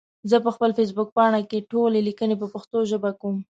زه پخپل فيسبوک پاڼې ټولي ليکني په پښتو ژبه کوم